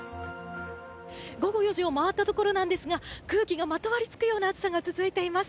午後４時を回ったところなんですが空気がまとわりつくような暑さが続いています。